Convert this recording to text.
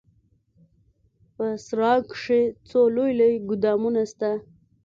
په سراى کښې څو لوى لوى ګودامونه سته.